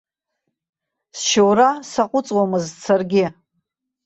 Сшьоура саҟәыҵуамызт саргьы.